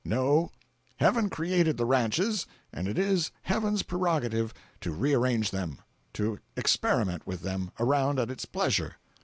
No—Heaven created the ranches and it is Heaven's prerogative to rearrange them, to experiment with them around at its pleasure.